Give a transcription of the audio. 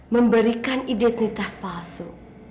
memberikan identitas palsu